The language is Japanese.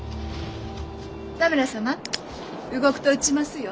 多村様動くと撃ちますよ。